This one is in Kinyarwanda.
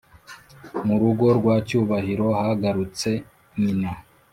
murugo rwa cyubahiro hagarutse nyina